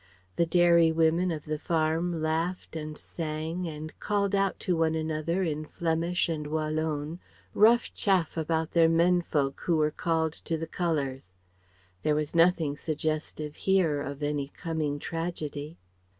The dairy women of the farm laughed and sang and called out to one another in Flemish and Wallon rough chaff about their men folk who were called to the Colours. There was nothing suggestive here of any coming tragedy.